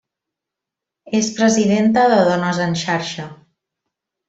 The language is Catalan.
És presidenta de Dones en Xarxa.